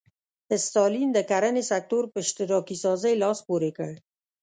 ستالین د کرنې سکتور په اشتراکي سازۍ لاس پورې کړ.